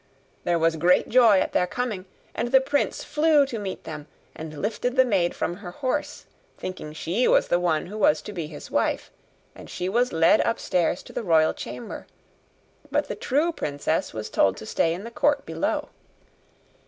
There was great joy at their coming, and the prince flew to meet them, and lifted the maid from her horse, thinking she was the one who was to be his wife; and she was led upstairs to the royal chamber; but the true princess was told to stay in the court below.